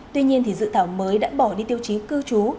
tuy nhiên dự thảo mới đã bỏ đi tiêu chí cư trú